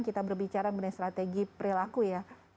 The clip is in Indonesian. kita berbicara mengenai strategi perilaku ya